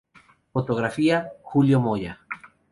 Fotografía: Julio Moya.